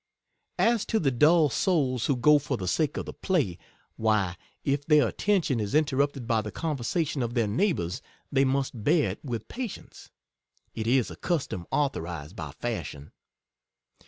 As to the dull souls who go for the sake of the play, why, if their attention is interrupted by the conversation of their neigh bours, they must bear it with patience; it is a custom authorized by fashion.